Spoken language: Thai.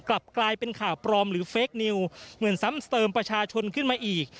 กลับกลายเป็นข่าวปลอมหรือเฟคนิวเหมือนซ้ำเติมประชาชนขึ้นมาอีก